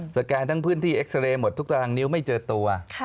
แกนทั้งพื้นที่เอ็กซาเรย์หมดทุกตารางนิ้วไม่เจอตัว